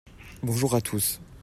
bonjour à tous.